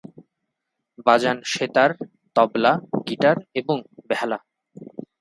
বাজান সেতার, তবলা, গিটার এবং বেহালা।